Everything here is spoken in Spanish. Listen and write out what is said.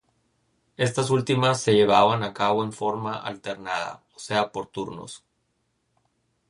Estas últimas se llevaban a cabo en forma alternada, o sea por turnos.